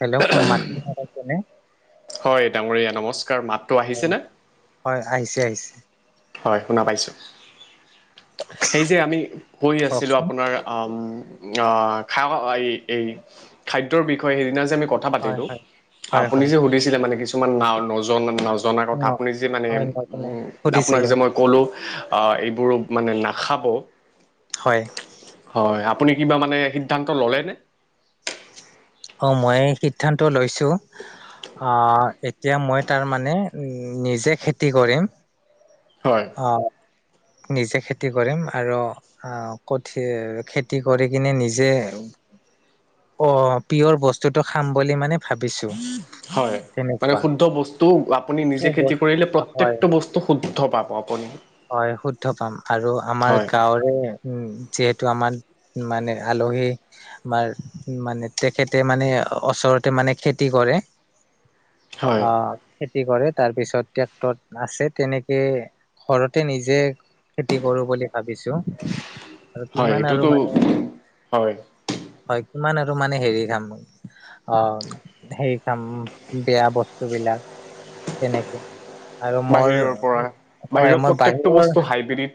Hello শুন মাতি আছেনে? হয় ডাঙৰীয়া নামত কাৰ মাতটো আহিছেনে? হয় আহিছে আহিছে হয় শুনা পাইছোঁ। সেই যে আমি কৈ আছিলো কওকচোন আপোনাৰ, আম অ খা এই এই খাদ্যৰ বিষয়ে সেইদিনা যে আমি কথা হয় পাতিলো। হয়। হয় আপুনি হয় যে সুধিছিলে মানে কিছুমান না নজন জনা কথা ন আপুনি যে মানে হয় মই তোমাক আপোনাক সুধিছিলো যে মই ক'লোঁ এইবোৰো মানে নাখাব। হয় হয় আ আপুনি কিবা মানে সিদ্ধান্ত ললে নে? অ মই সিদ্ধান্ত লৈছো। আহ এতিয়া মই তাৰ মানে নিজে খেতি কৰিম। হয় অ। নিজে খেতি কৰিম আৰু আহ কঠিয়া খেতি কৰি কিনে নিজে অ পিয়ৰ বস্তুটো খাম বুলি মানে ভাবিছো। হয়। মানে তেনেকুৱা শুদ্ধ বস্তু আপুনি শুদ্ধ নিজে খেতি বস্তু কৰিলে হয় প্ৰত্যেকটো বস্তু শুদ্ধ পাব। আপুনি। হয় শুদ্ধ পাম আৰু আমাৰ হয় গাঁৱৰে উম যিহেতু আমাৰ মানে আলহী আমাৰ মানে তেখেতে মানে ওচৰতে মানে খেতি কৰে। হয় আহ খেতি কৰে। তাৰপিছত ট্ৰেক্টৰ আছে। তেনেকে ঘৰতে নিজে খেতি কৰো বুলি ভাবিছো আৰু হয় কিমান আৰু এইটোতো মানে, হয় হয় ইমান আৰু মানে হেৰি খাম অ সেই খাম বেয়া বস্তু বিলাক তেনেকে আৰু মোৰ, বাহিৰৰ পৰা হয় বাহিৰত মই প্ৰত্যেকটো বাহিৰৰ বস্তু হাইব্ৰীড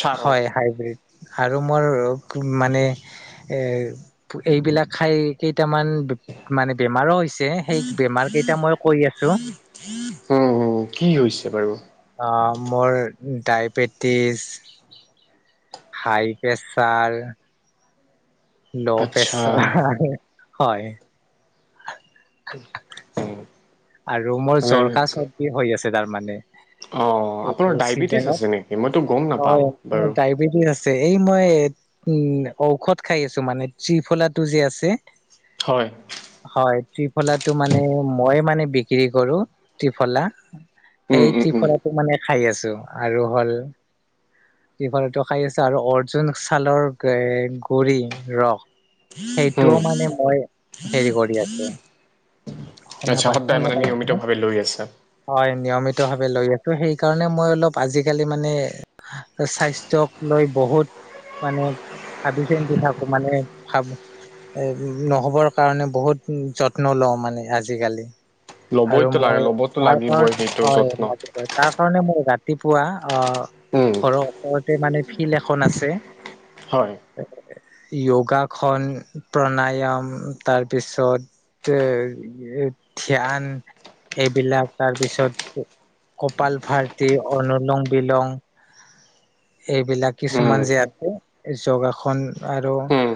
চাৰৰ হয় হাইব্ৰীড। আৰু মোৰ মানে এ এইবিলাক খাই কেইটামান মানে বেমাৰো হৈছে। সেই বেমাৰ কেইটা মই কৈ আছো। উম উম, কি হৈছে বাৰু আ মোৰ ডায়বেটিছ হাই প্ৰেচাৰ ল আচ্ছা প্ৰেছাৰ, হয়। উম। আৰু মোৰ জ্বৰ, কাঁহ, চৰ্দি হৈ আছে তাৰমানে। অ আপোনাৰ ডায়বেটিছ চিজনত, আছে নেকি মইতো গম নাপাওঁ হয় মোৰ বাৰু ডায়বেটিছ আছে। এই মই উ ঔষধ খাই আছো মানে ত্ৰিফলা টো যে আছে। হয় হয় ত্ৰিফলাটো মানে মই মানে বিক্ৰী কৰো ত্ৰিফলা। উম সেই উম উম ত্ৰিফলা টো মানে খাই আছোঁ আৰু হ'ল ট্ৰিফলাটো খাই আছো আৰু অৰ্জুন ছালৰ এ গুৰি ৰস উম সেইটোও মানে মই হেৰি কৰি আছো। শুনা আচ্ছা পায় সদায় শুনা মানে পাইছে নে? নিয়মিতভাৱে লৈ আছে হয় নিয়মিত ভাৱে লৈ আছো। সেইকাৰণে মই অলপ আজিকালি মানে স্বাস্থ্যক লৈ বহুত মানে ভাবি চিন্তি থাকো। মানে ভাব এ নহবৰ কাৰণে বহুত যত্ন লওঁ মানে আজিকালি। আৰু ল'বইতো লাগে মই ল'বতো তাৰ লাগিবই কাৰ সেইটো হয় যত্ন তাৰ কাৰণে মই গ ৰাতিপুৱা অ উম ঘৰৰ ওপৰতে মানে ফিল্ড এখন আছে হয় [unintelligible] য়োগাখন, প্ৰণায়াম, তাৰপিছত এ এ ধ্যান, এইবিলাক তাৰ পিছত কপাল ভাৰ্টি, অনলং বিলং এইবিলাক উম কিছুমান যে আছে, য়োগাসন আৰু উম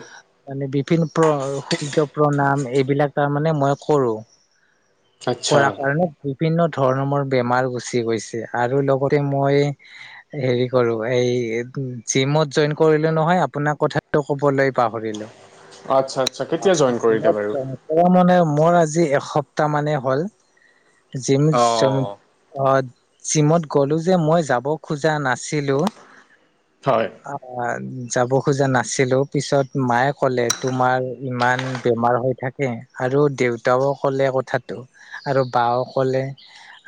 মানে বিভিন্ন প্ৰ সূৰ্য প্ৰণাম, এইবিলাক তাৰমানে মই কৰো, আচ্ছা কৰা কাৰণে বিভিন্ন ধৰণৰ মোৰ বেমাৰ গুচি গৈছে আৰু লগতে মই হেৰি কৰো, এই এটো জিমত জইন কৰিলো নহয়, আপোনাক কথাটো কবলৈ পাহৰিলো। আচ্ছা আচ্ছা কেতিয়া জইন [unintelligible] কৰিলে বাৰু মানে মোৰ আজি এসপ্তাহ মানেই হ'ল, জিম অ জইন অ জিমত গলো যে মই যাব খোজা নাছিলো হয় আ যাব খোজা নাছিলোঁ, পিছত মায়ে ক'লে তোমাৰ ইমান বেমাৰ হৈ থাকে আৰু দেউতাও ক'লে কথাটো, আৰু বাও ক'লে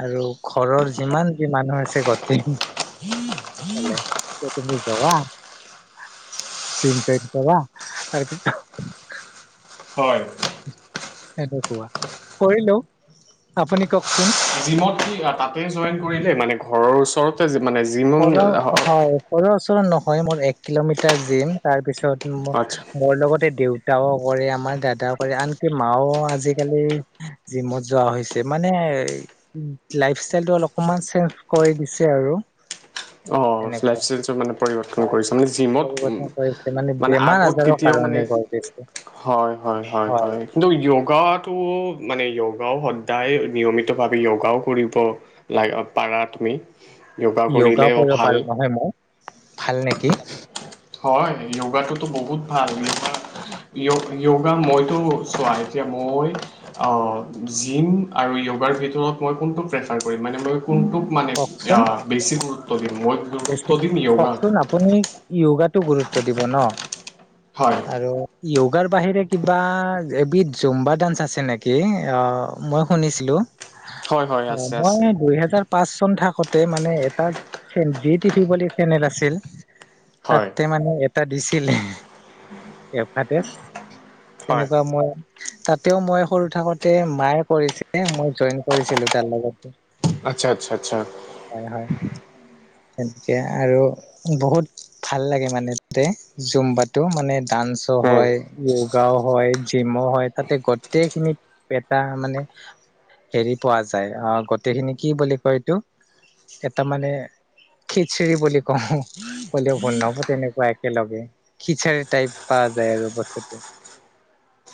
আৰু ঘৰৰ যিমান মানুহ আছে গতি [unintelligible] কলে, যে তুমি যৱা চিন্তা কৰা, তাৰপি হয়। সেনেকুৱা কৰিলো, আপুনি কওকচোন। জিমত কি তাতে জইন কৰিলে মানে ঘৰৰ ওচৰতে মানে জিম ঘৰৰ হয়, ঘৰৰ ওচৰ নহয় মোৰ এক কিলোমিটাৰ জিম, তাৰ পিছত আচ্ছা মো-মোৰ লগতে দেউ তাও কৰে আমাৰ, দাদাও কৰে, আনকি মাও আজিকালি জিমত যোৱা হৈছে মানে এ লাইফষ্টাইলটো অলপমান চেঞ্জ কৰি দিছে আৰু। অ' লাইফ এনেকুৱা চেঞ্জৰ মানে প পৰিৱৰ্তন হয় কৰিছে, মানে জিমত পৰিৱৰ্তন কৰিছে মানে বেমাৰ আগত আজাৰৰ কেতিয়াও মানে কাৰণে কৰি দিছে হয় হয় হয় হয়, কিন্তু য়োগাটো মানে য়োগাও সদায় নিয়মিতভাৱে যোগাও কৰিব লা পাৰা তুমি। য়োগা য়োগাও কৰিলেও কৰিব ভাল পাৰো নহয় মই, ভাল নেকি? হয় য়োগাটোতো বহুত ভাল, য়োগা য়োগ-য়োগা মইতো চোৱা, এতিয়া মই অ জিম আৰু য়োগাৰ ভিতৰত মই কোনটো প্ৰেফাৰ কৰিম মানে মই কোনটোক মানে আ কওকচোন বেছি গুৰু বেছি, কওকচোন আপুনি য়োগাত গুৰুত্ব দিব ন, হয় আৰু য়ো গাৰ বাহিৰে কিবা, এবিধ জুম্বা ডান্স আছে নেকি? অ', আ মই শুনিছিলো। হয় হয় অ', আছে মই আছে দুইহেজাৰ পাঁচ চন থাকোতে মানে এটা জি টিভি বুলি চেনেল আছিল, হয় তাতে মানে এটা দিছিলে এ ভাতেজ, হয় তেনেকুৱা মই তাতেও মই সৰু থাকোঁতে মায়ে কৰিছিলে, মই জইন কৰিছিলো তইৰ লগতে। আচ্ছা আচ্ছা আচ্ছা। হয় হয়। তেনেকে আৰু বহুত ভাল লাগে মানে তে জুম্বাটো, মানে ডা ন্স উম হয়, য়োগাও হয়, জিমো হয়, তাতে গোটেইখিনি এটা মানে হেৰি পোৱা যায়, আহ গোটেইখিনি কি বুলি কয় এইটো এটা মানে খিচৰি বুলি কওঁ ক'লেও ভুল নহব তেনেকুৱা একেলগে। খিচাৰি টাইপ পাৱা যায় আৰু বস্তুটো।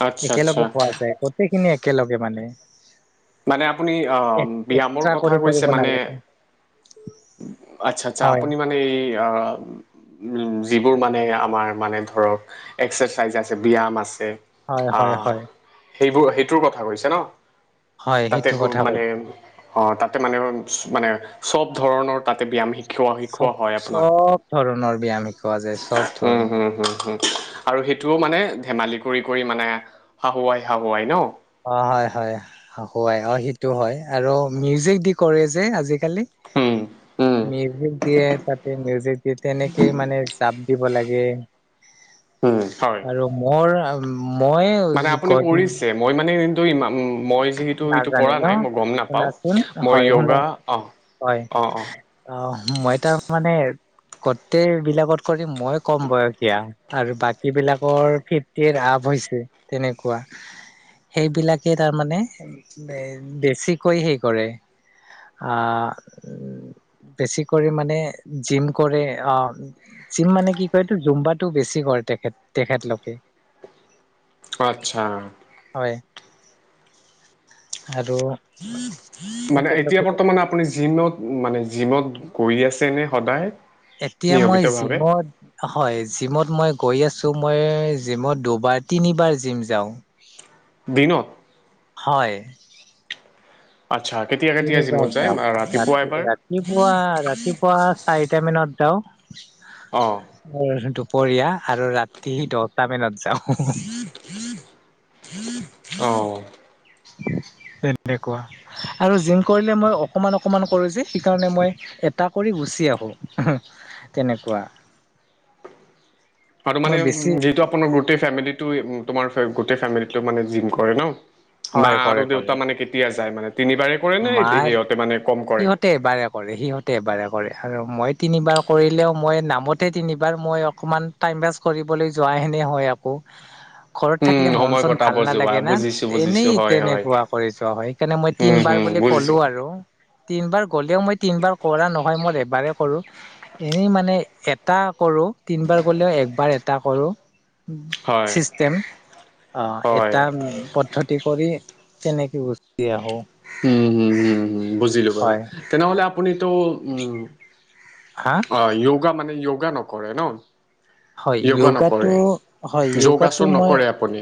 আচ্ছা আচ্ছা একেলগে পোৱা যায়, গোটেইখিনি একেলগে মানে। মানে আপুনি আহ ব্যায়ামৰ এক্সট্ৰা কথা কৰি কৈছে কৰিব মানে নালাগে [unintelligible] আচ্ছা আচ্ছা হয় আপুনি মানে এই আহ যিবোৰ মানে আমাৰ মানে ধৰক এক্সাৰচাইজ আছে ব্যায়াম আছে। হয় হয় আহ হয় সেইবো সেইটোৰ কথা কৈছে ন? হয় তাতে সেইটো গ কথা মানে কৈছো অ তাতে মানে মানে চব ধৰণৰ তাতে ব্যায়াম শি চব চব ধৰণৰ ব্যায়াম শিকোৱা যায় চব উম ধৰণৰ হুম হুম হুম আৰু সেইটোও মানে ধেমালি কৰি কৰি মানে হাহুৱাই হাহুৱাই ন? অ হয় হয় হাহুৱাই অ সেইটো হয় আৰু মিউজিক দি কৰে যে আজি। কালি। উম উম মিউজিক দিয়ে তাতে মিউজিক দিয়ে তেনেকেই মানে জাপ দিব লাগে। উম হয় আৰু মোৰ মই মানে আপুনি গত কৰিছে মই মানে কিন্তু ইমা মই যিহেতু ইটো নাজানে কৰা ন নাই মই গম নাপাওঁ। শুনাচোন হয় মই য়োগা অহ অ অ অহ মই তাৰ মানে গোটেই বিলাকত কৰি মই ক'ম বয়সীয়া আৰু বাকী বিলাকৰ ফিফটিৰ আপ হৈছে তেনেকুৱা। সেইবিলাকে তাৰমানে বেছিকৈ সেই কৰে আহ উ বেছিকৰি মানে জিম কৰে আহ জিম মানে কি কয় এইটো জুম্বাটো বেছি কৰে তেখেত তেখেতলোকে। আচ্ছা। হয় আৰু- মানে এতিয়া তেখেতলোকে বৰ্তমান আপুনি জিমত মানে জিমত গৈ আছে নে সদায়। এতিয়া মই নিয়মিতভাৱে জিমত হয় জিমত মই- গৈ আছো মই জিমত দুবাৰ তিনিবাৰ জিম যাওঁ। দিনত? হয়। আচ্ছা কেতিয়া কেতিয়া জিমত তিনিবাৰটা যায় যাওঁ। ৰাতিপুৱা ৰাতি এবাৰ ৰাতিপুৱা ৰাতিপুৱা চাৰিটা মানত- অঁ যাওঁ আৰু দুপৰীয়া আৰু ৰাতি দহটা মানত যাওঁ। অহঁ। উম। তেনেকুৱা আৰু জিম কৰিলে মই অকণমান অকণমান কৰোঁ যে সেইকাৰণে মই এটা কৰি- গুচি আহো তেনেকুৱা। আৰু মানে মই বেছি যিহেটো আপোনাৰ গোটেই ফেমিটো তোমাৰ গোটেই ফেমিলিটো মানে জিম কৰে ন। মা হয় আৰু দেউতা মানে কেতিয়া যায় মানে- তিনিবাৰে কৰে নে মাৰ সিহঁতে মানে কম কৰে সিহঁতে এবাৰে কৰে সিহঁতে এবাৰে কৰে। আৰু মই তিনিবাৰ কৰিলেও মই নামতে তিনিবাৰ মই অকণমান টাইম পাছ কৰিবলৈ যোৱা হেন- হে হয় আকৌ। ঘৰত উম, থাকিলে মন সময় চন কটাব ভাল যোৱা নালাগে না বুজিছো বুজিছো এনেই হয় হয়। তেনেকুৱা কৰি যোৱা হয়। সেইকাৰণে মই উম, তিনিবাৰ- হুম বুলি ক'লো বুজিছো আৰু তিনিবাৰ গ'লেও মই- তিনিবাৰ কৰা নহয় মই এবাৰে কৰোঁ। এনেই মানে এটা কৰোঁ তিনিবাৰ গ'লেও- একবাৰ এটা কৰোঁ। হয় চিষ্টেম হয় এটা পদ্ধতি কৰি- তেনেকে গুচি আহোঁ। হম হম হম হম বুজিলো বাৰু তেনেহলে হয়। আপুনিতো উমঁ। হা অ য়োগা মানে য়োগা নকৰে ন। হয় য়োগা য়োগাটো নকৰে হয় যোগোটো যোগাসন মই নকৰে আপুনি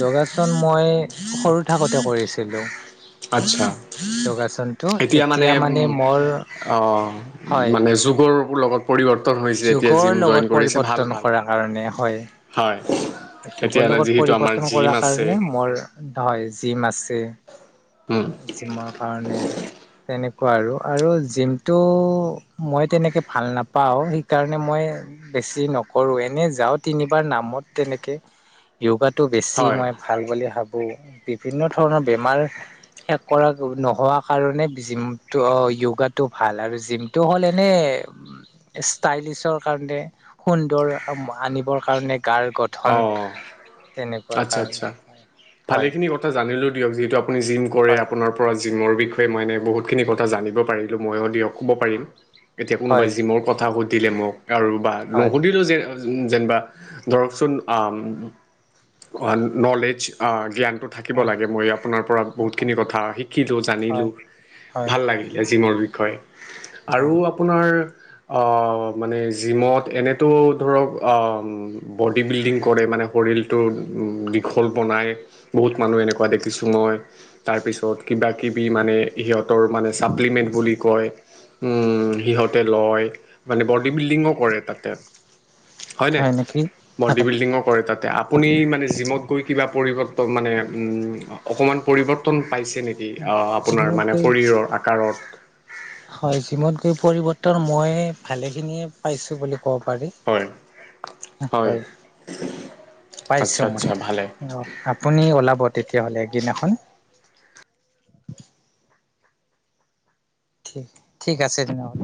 যোগাসন মই- সৰু থাকোতে কৰিছিলো। আচ্ছা যোগাসনতটো এতিয়া মানে মোৰ- হয় মানে যুগৰ- লগত পৰিৱৰ্তন হৈছে এতিয়া জিম যুগৰ জইন লগত কৰিছে ভাল পৰিৱৰ্তন ভাল। কৰাৰ কাৰণে হয়। হয় এতিয়া যুগৰ লগত যিহেতু আমাৰ পৰিৱৰ্তন জিম কৰাৰ আছে কাৰণে মোৰ হয় জিম আছে। উম, জিমৰ কাৰণে তেনে- কোৱা আৰু আৰু জিমটো মই তেনেকে ভাল নাপাও সেইকাৰণে মই- বেছি নকৰোঁ এনেই যাওঁ তিনিবাৰ নামত- তেনেকে য়োগাটো বেছি হয় মই ভাল বুলি ভাবো। বিভিন্ন ধৰণৰ বেমাৰ- শেষ কৰা নোহোৱা কাৰণে জিমটো অ য়োগাটো ভাল আৰু জিমটো হ'ল এনেই- স্তাইলিছৰ কাৰণে সুন্দৰ আনিবৰ কাৰণে গাৰ- গঠন অ তেনেকুৱাৰ আচ্ছা কাৰণে আচ্ছা হয় ভালেখিনি কথা জানিলো- দিয়ক যিহেতু আপুনি জিম কৰে হয় আপোনাৰ পৰা- জিমৰ বিষয়ে মই এনেই বহুতখিনি কথা জানিব পাৰিলো মইও দিয়ক ক'ব পাৰিম। এতিয়া কোনোবাই হয় জিমৰ কথা সুধিলে মোক আৰু বা হয় নুসুধিলেও যে যেনিবা ধৰক- আ নলেষ্ট আ জ্ঞান- থাকিব লাগে মই আপোনাৰ পৰা হয় বহুতখিনি কথা শিকিলোঁ হয় জানিলোঁ- হয় ভাল লাগিলে জিমৰ বিষয়ে অ আৰু আপোনাৰ- মানে জিমত এনেতো ধৰক- বডি বিল্ডিং কৰে মানে শৰীৰটো দীঘল বনাই বহুত মানুহ এনেকুৱা দেখিছোঁ মই। তাৰপিছত কিবা কিবি মানে সিহঁতৰ মানে ছাপ্লিমেণ্ট বুলে কয়। উম সিহঁতে লয় মানে বডি বিল্ডিংঙো কৰে তাতে। হয়নে হয় নেকি? বডি বিল্ডিঙো কৰে তাতে আপুনি মানে জিমত গৈ কিবা পৰি। মানে অকণমান পৰিৱৰ্তন পাইছে নেকি আপোনাৰ জিমত মানে গৈ শৰীৰৰ আকাৰত হয় জিমত গৈ পৰিৱৰ্তন মই ভালে খিনিয়ে পাইছো বুলি ক কব পাৰি হয় হয়। আচ্ছা পাইছো আচ্ছা ভালে মই অ আপুনি ওলাব তেতিয়াহ'লে দিনাখন ঠিক ঠিক আছে তেনেহ'লে।